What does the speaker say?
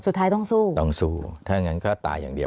สุดท้ายต้องสู้ต้องสู้ถ้างั้นก็ตายอย่างเดียว